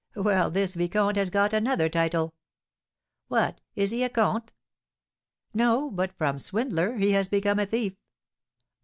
"Well, this vicomte has got another title." "What, is he a comte?" "No, but from swindler he has become thief!"